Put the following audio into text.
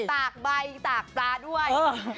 ตากใบตากปลาด้วย